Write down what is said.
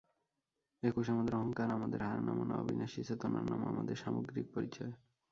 একুশ আমাদের অহংকার, আমাদের হার না-মানা অবিনাশী চেতনার নাম, আমাদের সামগ্রিক পরিচয়।